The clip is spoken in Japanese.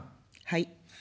はい。